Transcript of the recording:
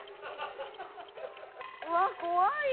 うわっ怖い。